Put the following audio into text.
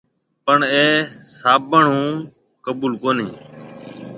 پڻ اَي هابُڻ اُوئون نَي قبُول ڪونهي۔